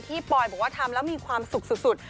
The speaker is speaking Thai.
ปอยบอกว่าทำแล้วมีความสุขสุด